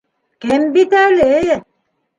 Кем бит әле!